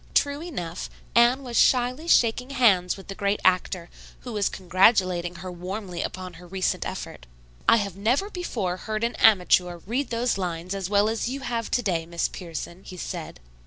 True enough, Anne was shyly shaking hands with the great actor, who was congratulating her warmly upon her recent effort. "I have never before heard an amateur read those lines as well as you have to day, Miss Pierson," he said.